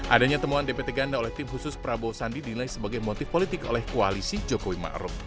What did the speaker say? adanya temuan dpt ganda oleh tim khusus prabowo sandi dinilai sebagai motif politik oleh koalisi jokowi ⁇ maruf ⁇